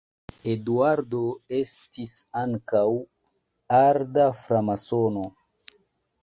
Eduardo estis ankaŭ arda framasono.